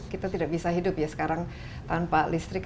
kita tidak bisa hidup ya sekarang tanpa listrik